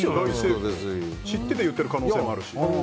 知ってて言ってる可能性もあるし。